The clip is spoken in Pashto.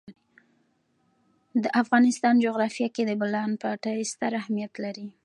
د افغانستان جغرافیه کې د بولان پټي ستر اهمیت لري.